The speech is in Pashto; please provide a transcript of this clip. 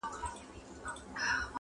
.!عبدالباري جهاني.!